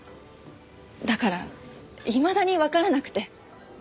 だからいまだにわからなくて。